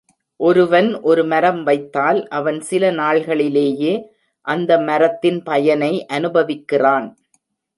ஒருவன் ஒருமரம் வைத்தால் அவன் சில நாள்களி லேயே அந்த மரத்தின் பயனை அனுபவிக்கிறான்.